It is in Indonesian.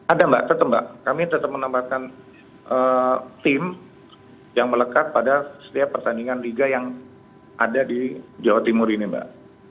ada mbak tetap mbak kami tetap menambahkan tim yang melekat pada setiap pertandingan liga yang ada di jawa timur ini mbak